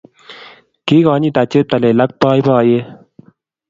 Kigonyita cheptailel ago boiboiyet